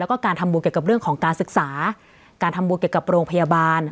แล้วก็การทำบุญเกี่ยวกับเรื่องของการศึกษาการทำบุญเกี่ยวกับโรงพยาบาล